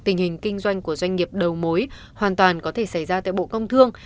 tình hình kinh doanh của doanh nghiệp đầu mối hoàn toàn có thể xảy ra tại bộ công thương